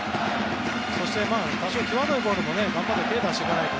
そして多少、際どいボールも頑張って手を出しておかないと。